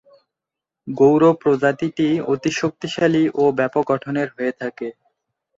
গৌর প্রজাতিটি অতি শক্তিশালী ও ব্যাপক গঠনের হয়ে থাকে।